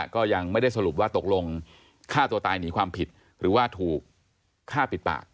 ก็ยังไม่ได้สรุปว่าตกลงฆ่าตัวตายหนีความผิดหรือว่าถูกฆ่าปิดปาก